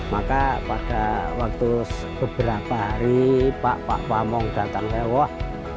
maka pada waktu beberapa hari pak pak pamong datang mewah